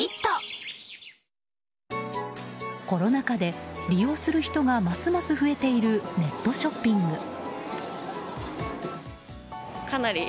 コロナ禍で利用する人がますます増えているネットショッピング。